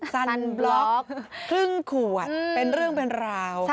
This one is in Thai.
สันบล็อกครึ่งขวดเป็นเรื่องเป็นราว